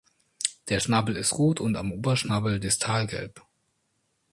Der Schnabel ist rot und am Oberschnabel distal gelb.